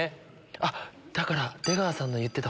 あっだから出川さんの言ってた。